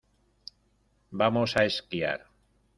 Vamos a esquiar.